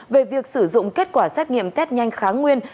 về việc sử dụng kết quả xét nghiệm test nhanh kháng nguyên